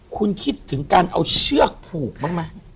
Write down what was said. คุณคิดถึงการเอาเชือกผูกบ้างไหม